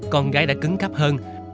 con gái đã cứng cắp hơn